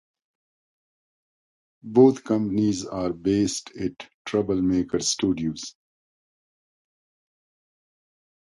Both companies are based at Troublemaker Studios.